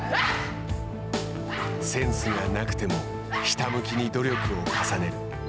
センスがなくてもひたむきに努力を重ねる。